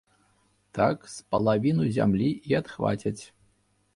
Так з палавіну зямлі і адхвацяць.